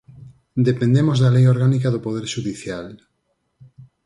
Dependemos da Lei Orgánica do Poder Xudicial.